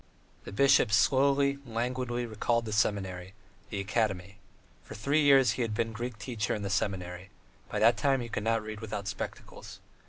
The bishop slowly, languidly, recalled the seminary, the academy. For three years he had been Greek teacher in the seminary: by that time he could not read without spectacles.